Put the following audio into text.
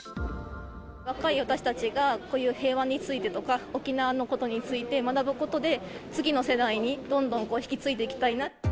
若い私たちが、こういう平和についてとか、沖縄のことについて学ぶことで、次の世代にどんどん引き継いでいきたいな。